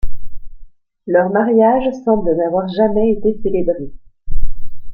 Leur mariage semble n'avoir jamais été célébré.